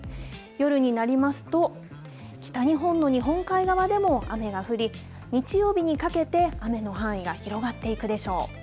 夜になりますと、北日本の日本海側でも雨が降り、日曜日にかけて雨の範囲が広がっていくでしょう。